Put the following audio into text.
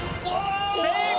正解！